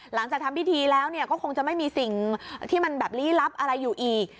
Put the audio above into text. หลังจากทำพิธีแล้วก็คงจะไม่มีสิ่งที่มันแบบลี้ลับอะไรอยู่อีก